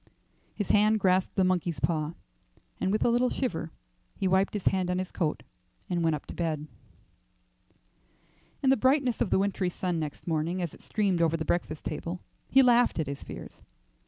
His hand grasped the monkey's paw, and with a little shiver he wiped his hand on his coat and went up to bed. II. In the brightness of the wintry sun next morning as it streamed over the breakfast table he laughed at his fears.